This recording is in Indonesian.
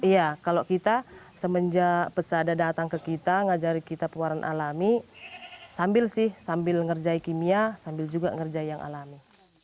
iya kalau kita semenjak pesada datang ke kita ngajari kita peluaran alami sambil sih sambil ngerjai kimia sambil juga ngerjai yang alami